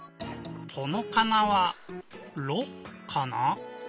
このかなは「ろ」かな？